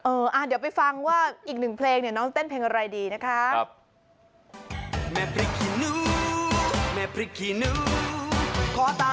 เอออ่าเดี๋ยวไปฟังว่าอีกหนึ่งเพลงน้องเต้นเพลงอะไรดีนะคะ